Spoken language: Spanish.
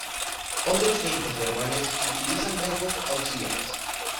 Otros tiempos verbales utilizan verbos auxiliares.